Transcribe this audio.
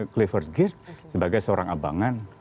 clifford girld sebagai seorang abangan